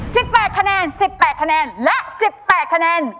ซึดแปดคะแนนต์ซึดแปดคะแนนและซึดแปดคะแนน